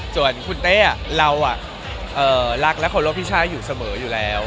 ส่วนคุณเต้เรารักและเคารพพี่ช่าอยู่เสมออยู่แล้ว